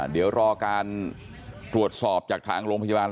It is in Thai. เดี๋ยวรอการตรวจสอบจากทางโรงพยาบาล